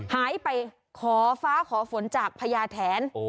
หายไปฝาขอฝนจากพระยาแทน